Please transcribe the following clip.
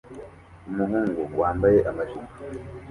Umuhungu wambaye amajipo